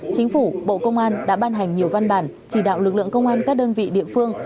chính phủ bộ công an đã ban hành nhiều văn bản chỉ đạo lực lượng công an các đơn vị địa phương